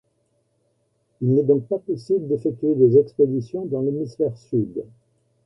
Il n'est donc pas possible d'effectuer des expéditions dans l'hémisphère Sud.